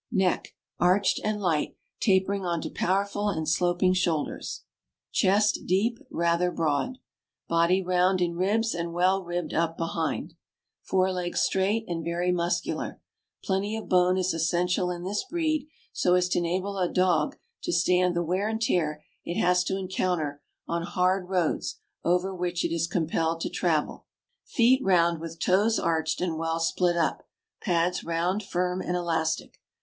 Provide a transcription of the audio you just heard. Neck arched and light, tapering onto powerful and sloping shoulders. Chest deep, rather broad. Body round in ribs and well ribbed up behind. Fore legs straight and very muscular. Plenty of bone is essential in this breed, so as to enable a dog to stand the wear and tear it has to encounter on hard roads over which it is compelled to travel. Feet round, with toes arched and well split up; pads round, firm, and elastic.